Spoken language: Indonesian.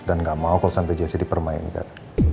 dan gak mau kalau sampai jessy dipermainkan